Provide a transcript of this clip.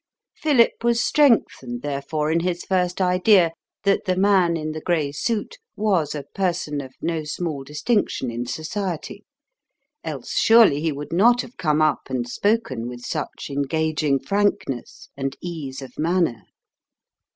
Philip was strengthened, therefore, in his first idea, that the man in the grey suit was a person of no small distinction in society, else surely he would not have come up and spoken with such engaging frankness and ease of manner.